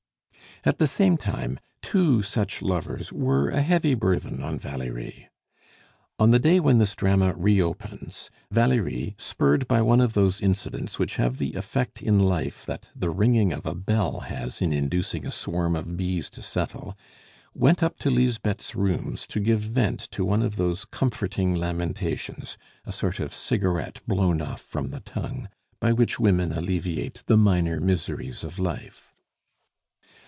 At the same time, two such lovers were a heavy burthen on Valerie. On the day when this drama reopens, Valerie, spurred by one of those incidents which have the effect in life that the ringing of a bell has in inducing a swarm of bees to settle, went up to Lisbeth's rooms to give vent to one of those comforting lamentations a sort of cigarette blown off from the tongue by which women alleviate the minor miseries of life.